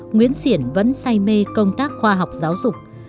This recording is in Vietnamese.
nguyễn xiển vẫn say mê công tác khoa học giáo dục